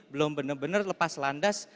belum benar benar lepas landas